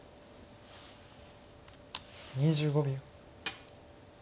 ２５秒。